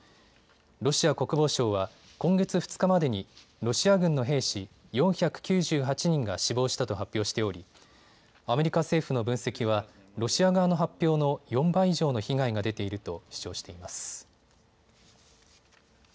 ロシア国防省は今月２日までにロシア軍の兵士４９８人が死亡したと発表しておりアメリカ政府の分析はロシア側の発表の４倍以上の被害が出ていると主張しています。